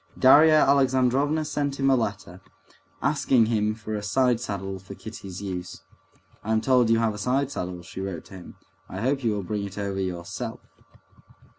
Darya Alexandrovna sent him a letter, asking him for a side saddle for Kitty's use. "I'm told you have a side saddle," she wrote to him; "I hope you will bring it over yourself."